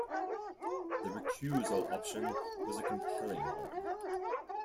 The recusal option was a compelling one.